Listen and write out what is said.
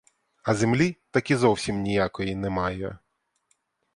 А землі так і зовсім ніякої немає.